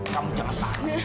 kamu jangan tahu